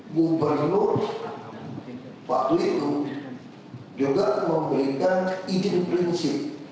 gubernur waktu itu juga memberikan izin prinsip